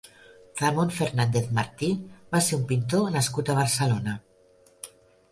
Ramón Fernández Martí va ser un pintor nascut a Barcelona.